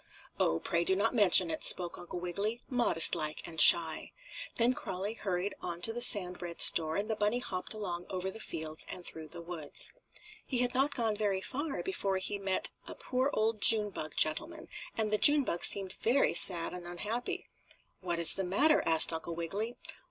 "Oh, pray do not mention it," spoke Uncle Wiggily, modest like and shy. Then Crawlie hurried on to the sand bread store and the bunny hopped along over the fields and through the woods. He had not gone very far before he met a poor old June bug gentleman, and the June bug seemed very sad and unhappy. "What is the matter?" asked Uncle Wiggily.